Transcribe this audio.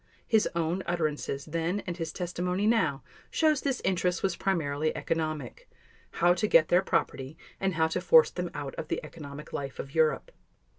His own utterances then and his testimony now shows this interest was primarily economic—how to get their property and how to force them out of the economic life of Europe.